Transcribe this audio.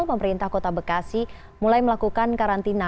pemerintah kota bekasi mulai melakukan karantina